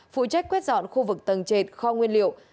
phụ trách quét dọn khu vực tầng trệt kho nguyên liệu